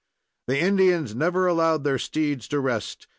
The Indians never allowed their steeds to rest.